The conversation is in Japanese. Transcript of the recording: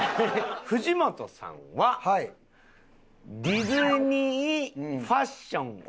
藤本さんはディズニーファッションを。